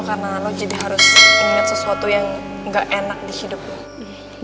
karena lo jadi harus ingat sesuatu yang enggak enak di hidup lo